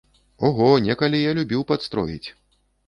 Ого, некалі я любіў падстроіць.